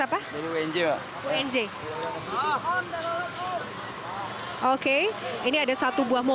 saya menyumbat untuknya karena dia juga juga berjaya